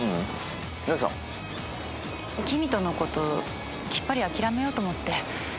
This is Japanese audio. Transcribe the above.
公人のこときっぱり諦めようと思って。